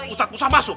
ustadz musa masuk